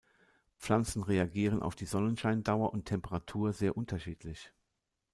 Pflanzen reagieren auf die Sonnenscheindauer und Temperatur sehr unterschiedlich.